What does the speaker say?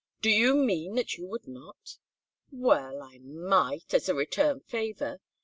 Do you mean that you would not?" "Well, I might, as a return favor.